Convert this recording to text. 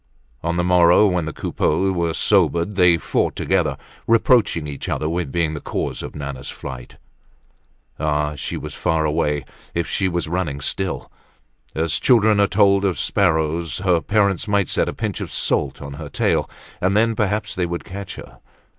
On the morrow when the Coupeaus were sobered they fought together, reproaching each other with being the cause of Nana's flight. Ah! she was far away if she were running still! As children are told of sparrows, her parents might set a pinch of salt on her tail, and then perhaps they would catch her.